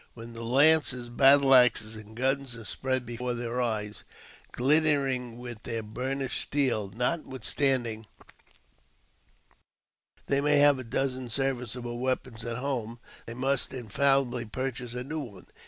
When the lances, battle axes, and guns are spread before their eyes, glittering with their burnished steel, notwithstanding they may have a dozen serviceable weapons at home, they must infallibly purchase a new one.